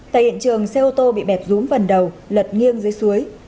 tại hiện trường xe ô tô bị bẹp rúm vần đầu lật nghiêng dưới suối